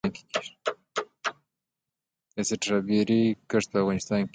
د سټرابیري کښت په افغانستان کې کیږي؟